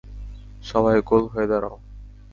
সবাই, গোল হয়ে দাঁড়াও।